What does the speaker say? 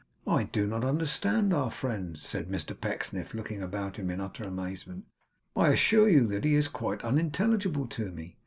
'I do not understand our friend,' said Mr Pecksniff, looking about him in utter amazement. 'I assure you that he is quite unintelligible to me.